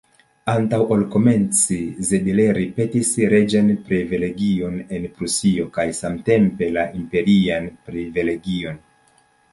Antaŭ ol komenci, Zedler petis reĝan privilegion en Prusio, kaj samtempe la imperian privilegion.